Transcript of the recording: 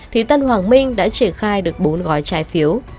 thì tân hoàng minh đã triển khai được bốn gói trái phiếu